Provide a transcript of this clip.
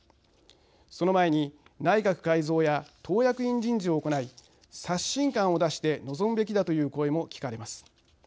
その前に内閣改造や党役員人事を行い刷新感を出して臨むべきだという声も聞かれます。